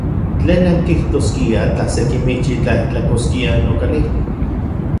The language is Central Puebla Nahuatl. ¿Tlen nankijtoskiaj tla se kimichi tlaijtlakoskia nokalijtik?